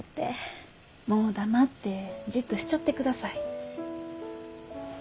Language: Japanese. もう黙ってじっとしちょってください。